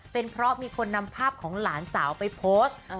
เป็นเพราะมีคนนำภาพของหลานสาวไปโพสต์